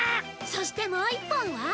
そしてもう１本は